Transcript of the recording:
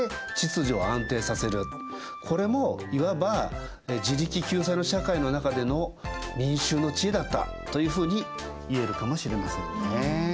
これもいわば自力救済の社会の中での民衆の知恵だったというふうにいえるかもしれませんね。